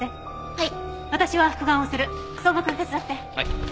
はい。